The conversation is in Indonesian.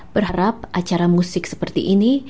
berharap acara musik seperti ini